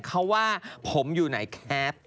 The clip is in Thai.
เขาว่าผมอยู่ไหนแคป